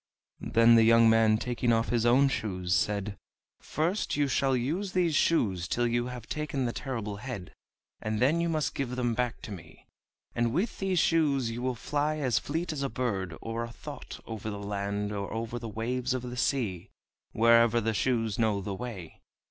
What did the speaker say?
Then the young man, taking off his own shoes, said: "First, you shall use these shoes till you have taken the Terrible Head, and then you must give them back to me. And with these shoes you will fly as fleet as a bird, or a thought, over the land or over the waves of the sea, wherever the shoes know the way.